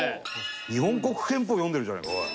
『日本国憲法』読んでるじゃないかおい。